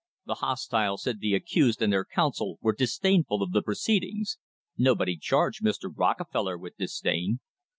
The hostile said the accused and their counsel were disdainful of the proceedings nobody charged Mr. Rockefeller with disdain.